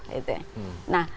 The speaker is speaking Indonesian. belum masuk kesana